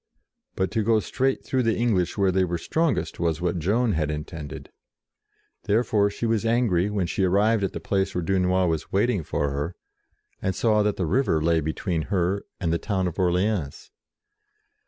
But to go straight through the English where they were strongest was what Joan had intended. Therefore she was angry when she arrived at the place where Dunois was waiting for her, and saw that the river lay between her and the town of Orleans.